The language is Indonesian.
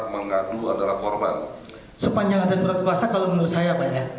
pernah ada surat bahasa